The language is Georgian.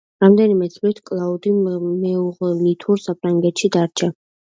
რამდენიმე თვით კლაუდია მეუღლითურთ საფრანგეთში დარჩა.